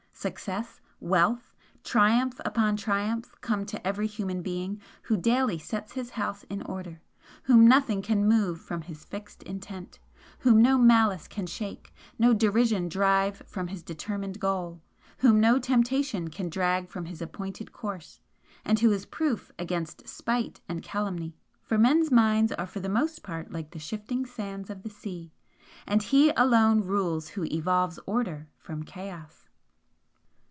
Success, wealth, triumph upon triumph come to every human being who daily 'sets his house in order' whom nothing can move from his fixed intent, whom no malice can shake, no derision drive from his determined goal, whom no temptation can drag from his appointed course, and who is proof against spite and calumny. For men's minds are for the most part like the shifting sands of the sea, and he alone rules who evolves Order from Chaos."